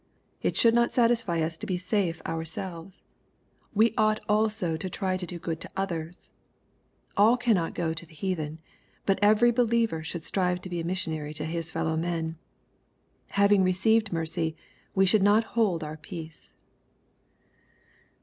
It should not satisfy us to be safe ourselves. We ought also to try to do good to others. All cannot go to the heathen, but every believer should strive to be a missionary to his fellow men. Having received mercy, we should not hold our peace.